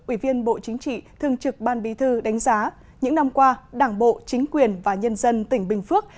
ủy viên bộ chính trị thường trực ban bí thư đánh giá những năm qua đảng bộ chính quyền và nhân dân tỉnh bình phước